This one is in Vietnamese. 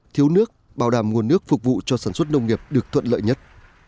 thiếu nước bảo đảm nguồn nước phục vụ cho sản xuất nông nghiệp được thuận lợi nhất